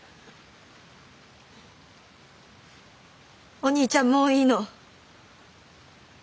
おにいちゃんもういいの。